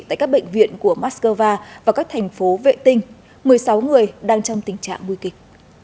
tại các bệnh viện của moscow và các thành phố vệ tinh một mươi sáu người đang trong tình trạng nguy kịch